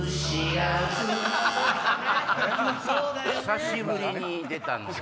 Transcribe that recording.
久しぶりに出たのに。